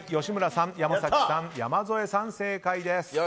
吉村さん、山崎さん、山添さん正解です。